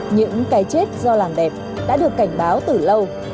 những cái chết do làm đẹp đã được cảnh báo từ lâu